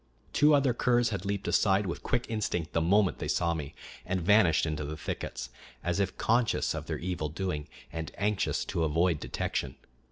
Two other curs had leaped aside with quick instinct the moment they saw me, and vanished into the thickets, as if conscious of their evil doing and anxious to avoid detection.